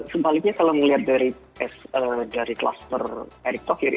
sebaliknya kalau melihat dari kluster eric thauhir